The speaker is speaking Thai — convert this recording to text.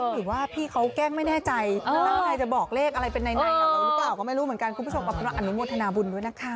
หรือว่าพี่เขาแกล้งไม่แน่ใจแล้วใครจะบอกเลขอะไรเป็นในกับเราหรือเปล่าก็ไม่รู้เหมือนกันคุณผู้ชมมาอนุโมทนาบุญด้วยนะคะ